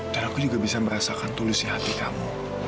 dan aku juga bisa merasakan tulusnya hati kamu